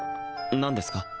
何ですか？